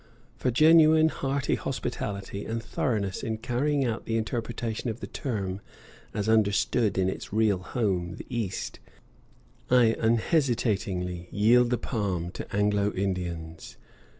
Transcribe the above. For genuine, hearty hospitality, and thoroughness in carrying out the interpretation of the term as understood in its real home, the East, I unhesitatingly yield the palm to Anglo Indians.